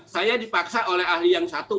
saya dipaksa oleh ahli yang satu